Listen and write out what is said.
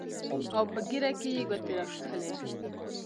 او پۀ ږيره کښې يې ګوتې راښکلې